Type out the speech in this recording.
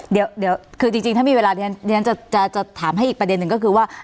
เดี๋ยวคือจริงถ้ามีเวลาเรียนจะถามให้อีกประเด็นหนึ่งก็คือว่า